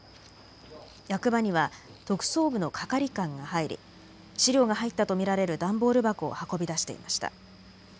役場には特捜部の係官が入り資料が入ったと見られる段ボール箱を運び出していました。